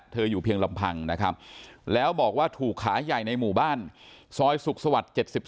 อยู่เพียงลำพังนะครับแล้วบอกว่าถูกขาใหญ่ในหมู่บ้านซอยสุขสวรรค์๗๒